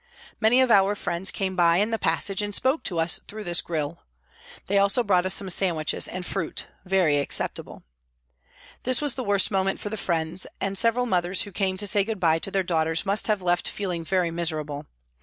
Many of our friends came by in the passage and spoke to us through this grille. They also brought us some sandwiches and fruit very acceptable. This was the worst moment for the friends, and several mothers who came to say goodbye to their daughters must have left feeling very miserable.